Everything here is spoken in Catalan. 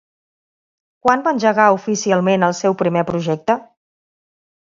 Quan va engegar, oficialment, el seu primer projecte?